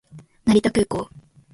成田空港